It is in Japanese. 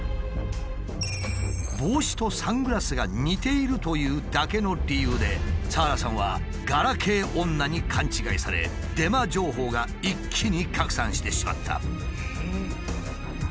帽子とサングラスが似ているというだけの理由でさはらさんはガラケー女に勘違いされデマ情報が一気に拡散してしまった。